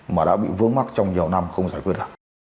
mà đã bị vướng mắt trong nhiều năm không giải quyết được